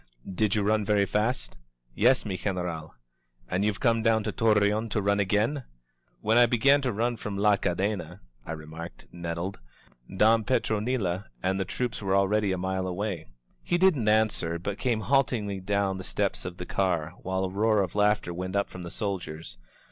Did you run very fast?" "Yes, mi General. "And you've come down to Torreon to run again?" "When I began to run from La Cadena," I remarked, nettled, "Don Petronilo and the troops were already a mile away." He didn't answer, but came haltingly down the steps of the car, while a roar of laughter went up from the soldiers.